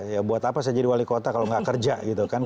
ya buat apa saya jadi wali kota kalau nggak kerja gitu kan